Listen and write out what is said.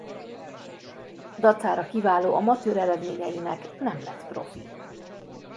Dacára kiváló amatőr eredményeinek nem lett profi.